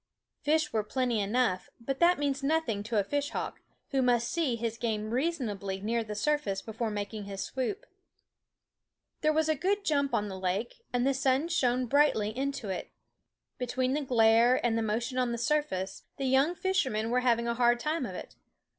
_>/ 5 h If ^ s ^ were pl en ty enough; but that means <y////e ~^f nothing to a fishhawk, who must see his i I ^zi~ mcn g ame reasonably near the surface before mak ^S* in & kis swoop. There was a good jump on the lake, and the sun shone brightly into it. Between the glare and the motion on the surface the young fishermen were having a hard time of it.